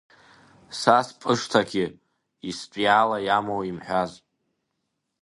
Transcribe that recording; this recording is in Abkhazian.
Са спышҭагьы устәиала иамоуп имҳәаз!